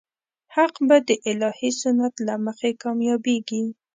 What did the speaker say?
حق به د الهي سنت له مخې کامیابېږي.